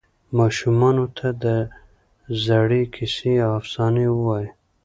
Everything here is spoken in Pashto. ماشومانو ته د زړې کیسې او افسانې ووایئ.